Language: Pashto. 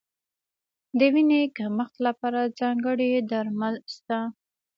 د وینې کمښت لپاره ځانګړي درمل شته.